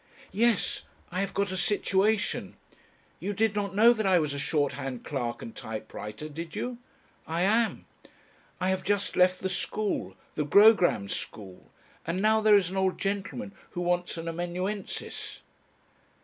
"Yes. I have got a situation. You did not know that I was a shorthand clerk and typewriter, did you? I am. I have just left the school, the Grogram School. And now there is an old gentleman who wants an amanuensis."